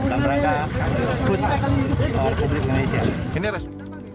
dan mereka putih untuk publik indonesia